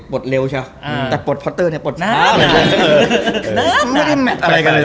เร็วใช่ไหมแต่ปลดพอตเตอร์เนี่ยปลดน้ำไม่ได้อะไรกันเลย